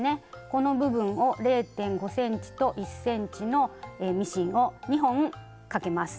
この部分を０．５ｃｍと１ｃｍのミシンを２本かけます。